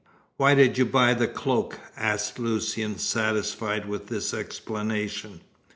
"Why did you buy the cloak?" asked Lucian, satisfied with this explanation.